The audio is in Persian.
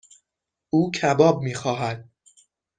او کباب میخواهد.